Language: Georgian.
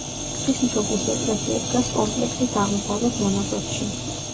ღვთისმშობლის ეკლესია დგას კომპლექსის აღმოსავლეთ მონაკვეთში.